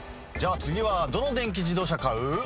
じゃ次はどの電気自動車買う？